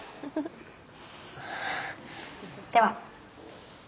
では。